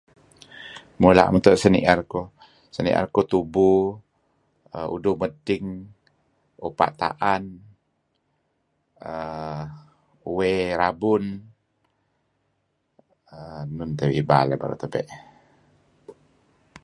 Mula' meto' seni'er kuh, seni'er kuh tubu, uduh medting, upa' ta'an, err uwey rabun, err nun tebe' iba beruh tebe'?